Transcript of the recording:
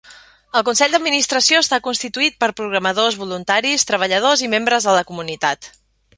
El consell d'administració està constituït per programadors, voluntaris, treballadors i membres de la comunitat.